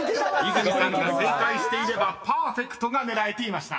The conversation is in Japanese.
［泉さんが正解していればパーフェクトが狙えていました］